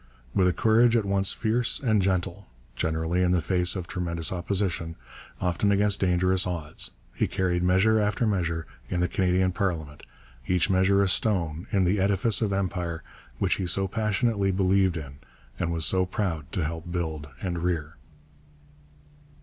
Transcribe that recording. With a courage at once fierce and gentle, generally in the face of tremendous opposition, often against dangerous odds, he carried measure after measure in the Canadian Parliament, each measure a stone in the edifice of empire which he so passionately believed in and was so proud to help build and rear.